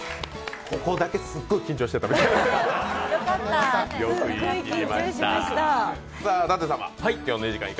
ここだけすっごい緊張してたみたい。